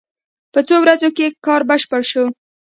په څو ورځو کې کار بشپړ شو.